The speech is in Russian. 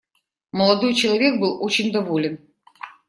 Молодой человек был очень доволен.